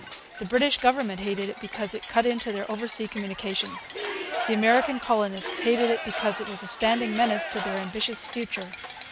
The British government hated it because it cut into their oversea communications. The American colonists hated it because it was a standing menace to their ambitious future.